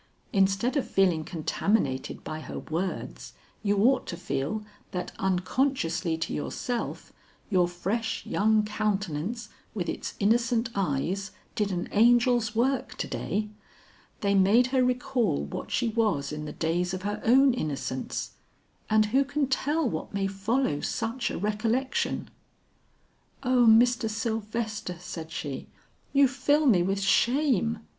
Instead of feeling contaminated by her words, you ought to feel, that unconsciously to yourself, your fresh young countenance with its innocent eyes did an angel's work to day. They made her recall what she was in the days of her own innocence; and who can tell what may follow such a recollection." "O Mr. Sylvester," said she, "you fill me with shame.